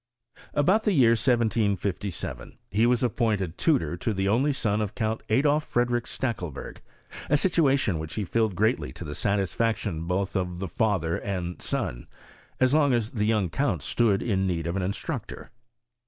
About the year 1757 he was appointed tutof to QRY OF CHEMISTRY. the only son of Count Adolf Frederick Stackdber|;, a situation which he filled greatly to the satisfaclioa both of the father aad son, as long as the young count stood in need of an instructor.